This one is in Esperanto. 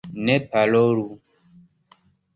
Ne parolu!